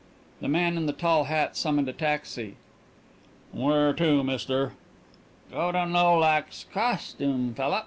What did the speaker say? The man in the tall hat summoned a taxi. "Where to, mister?" "Go to Nolak's costume fella."